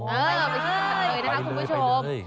เออไปเล้ยนะครับคุณผู้ชม